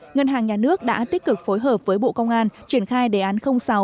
ngân hàng nhà nước đã tích cực phối hợp với bộ công an triển khai đề án sáu